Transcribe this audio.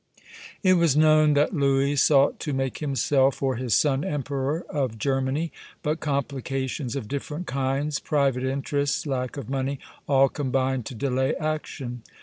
It was known that Louis sought to make himself or his son emperor of Germany. But complications of different kinds, private interests, lack of money, all combined to delay action.